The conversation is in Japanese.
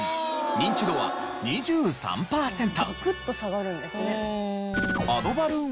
ニンチドは２３パーセント。